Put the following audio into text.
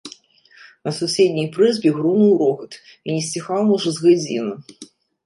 На суседняй прызбе грунуў рогат і не сціхаў, можа, з гадзіну.